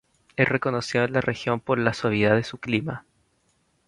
Es reconocido en la región por la suavidad de su clima.